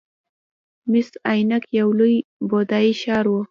مس عینک یو لوی بودايي ښار و